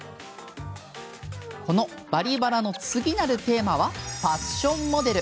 この「バリバラ」の次なるテーマはファッションモデル。